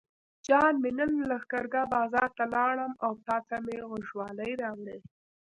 جان مې نن لښکرګاه بازار ته لاړم او تاته مې غوږوالۍ راوړې.